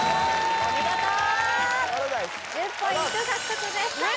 お見事１０ポイント獲得ですさあ